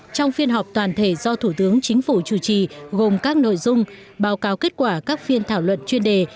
trong phiên họp toàn thể do thủ tướng chính phủ chủ trì gồm các nội dung báo cáo kết quả các phiên thảo luận chuyên đề